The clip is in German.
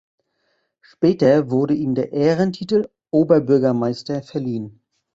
Später wurde ihm der Ehrentitel "Oberbürgermeister" verliehen.